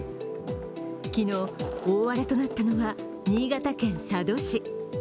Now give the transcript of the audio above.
昨日、大荒れとなったのは新潟県佐渡市。